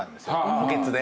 補欠で。